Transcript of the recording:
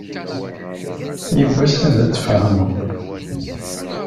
Yiwwas ad tfehmeḍ.